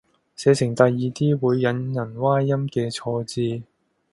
寫成第二啲會引人歪音嘅錯字